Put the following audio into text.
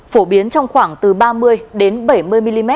phổ biến trong khoảng từ ba mươi bảy mươi mm